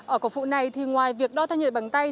ở cổng phụ này ngoài việc đo thân nhiệt bằng tay